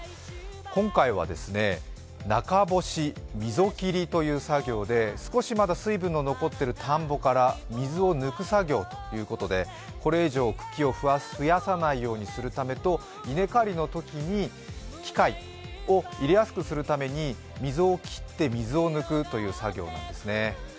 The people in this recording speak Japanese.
今回は中干し溝切りという作業で、少しまだ水分が残っている田んぼから水を抜く作業ということでこれ以上、茎を増やさないようにするためと稲刈りのときに機械を入れやすくするために溝を切って、水を抜くという作業なんですね。